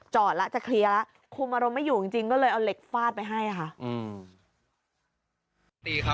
จอดละจะเคลียร์ละคุมรมไม่อยู่จริงก็เลยเอาเหล็กฟาดไปให้อ่ะค่ะ